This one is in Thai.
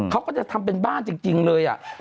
เขาก็จะทำเป็นบ้านจริงเลย